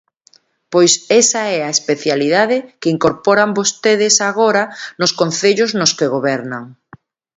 Pois esa é a especialidade que incorporan vostedes agora nos concellos nos que gobernan.